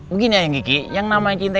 mungkin ya yang gigi yang namanya cinta